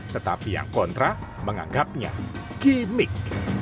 tetapi yang kontra menganggapnya gimmick